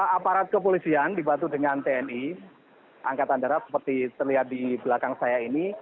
aparat kepolisian dibantu dengan tni angkatan darat seperti terlihat di belakang saya ini